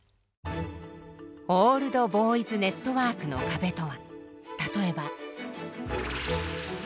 オールド・ボーイズ・ネットワークの壁とは。